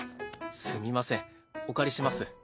すみませんお借りします。